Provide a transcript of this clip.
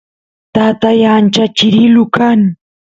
tatay ancha chirilu kan